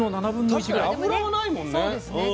確かに脂がないもんね。